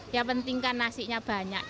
yang penting kan nasinya banyak